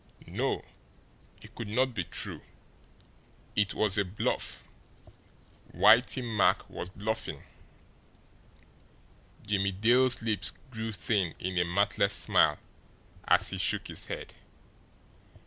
No; it could not be true! It was a bluff Whitey Mack was bluffing. Jimmie Dale's lips grew thin in a mirthless smile as he shook his head.